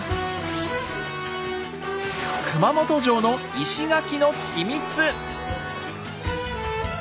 熊本城の石垣の秘密！